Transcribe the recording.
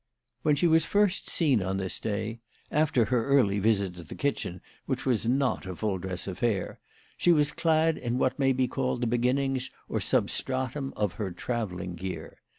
When she was first seen on this day, 72 WHY ERAU EROKMANN EAISED HER PRICES. after her early visit to the kitchen, which was not a full dress affair, she was clad in what may be called the beginnings or substratum of her travelling gear.